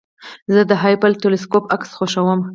زه د هبل ټېلسکوپ عکس خوښوم.